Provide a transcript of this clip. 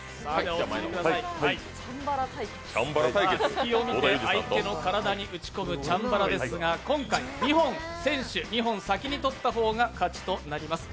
隙を見つけ相手の体に打ち込むチャンバラですが、今回、２本先に取った方が勝ちとなります。